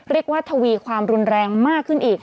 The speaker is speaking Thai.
เรียกว่าทวีความรุนแรงมากขึ้นอีก